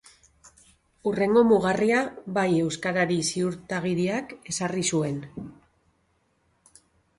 Hurrengo mugarria Bai Euskarari Ziurtagiriak ezarri zuen.